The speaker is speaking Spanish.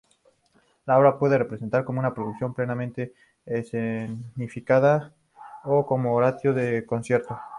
La obra puede representarse como una producción plenamente escenificada o como oratorio de concierto.